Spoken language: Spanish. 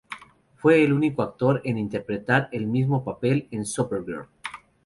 Fue el único actor en interpretar el mismo papel en "Supergirl".